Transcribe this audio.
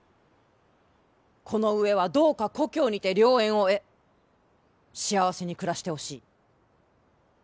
この上はどうか故郷にて良縁を得幸せに暮らしてほしい。